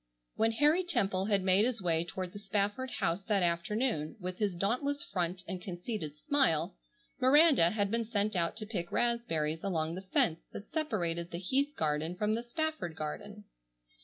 When Harry Temple had made his way toward the Spafford house that afternoon, with his dauntless front and conceited smile, Miranda had been sent out to pick raspberries along the fence that separated the Heath garden from the Spafford garden.